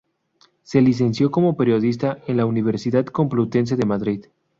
Se licenció como periodista en la Universidad Complutense de Madrid.